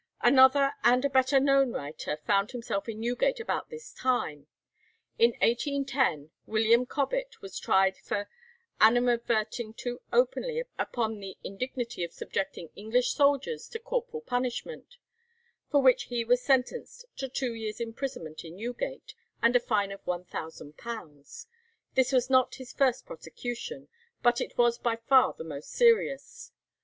Another and a better known writer found himself in Newgate about this time. In 1810 William Cobbett was tried for animadverting too openly upon the indignity of subjecting English soldiers to corporal punishment, for which he was sentenced to two years' imprisonment in Newgate, and a fine of £1000. This was not his first prosecution, but it was by far the most serious.